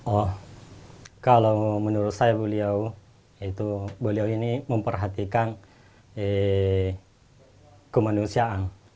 oh kalau menurut saya beliau ini memperhatikan kemanusiaan